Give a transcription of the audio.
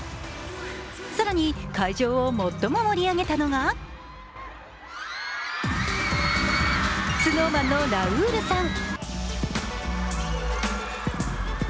更に会場を最も盛り上げたのがＳｎｏｗＭａｎのラウールさん。